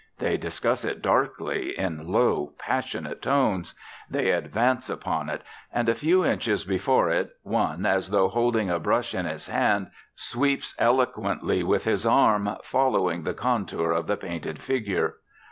They discuss it darkly, in low, passionate tones. They advance upon it; and, a few inches before it, one, as though holding a brush in his hand, sweeps eloquently with his arm, following the contour of the painted figure.